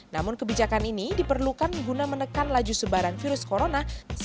namun kebijakan ini diperlukan guna menekan laju sebaran virus corona